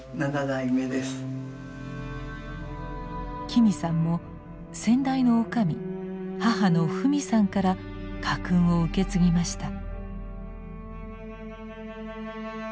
紀美さんも先代の女将母のふみさんから家訓を受け継ぎました。